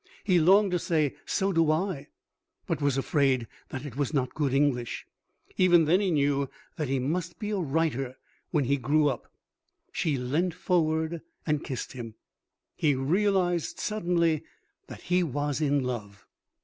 He longed to say, "So do I," but was afraid that it was not good English. Even then he knew that he must be a writer when he grew up. She leant forward and kissed him. He realized suddenly that he was in love.